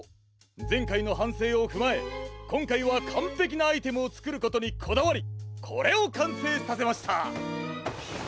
ぜんかいのはんせいをふまえこんかいはかんぺきなアイテムをつくることにこだわりこれをかんせいさせました。